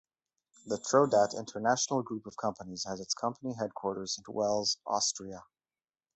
The Trodat international group of companies has its company headquarters in Wels, Austria.